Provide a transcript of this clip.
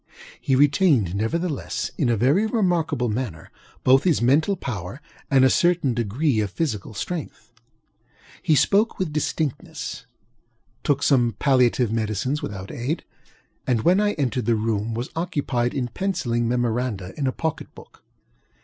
He retained, nevertheless, in a very remarkable manner, both his mental power and a certain degree of physical strength. He spoke with distinctnessŌĆötook some palliative medicines without aidŌĆöand, when I entered the room, was occupied in penciling memoranda in a pocket book.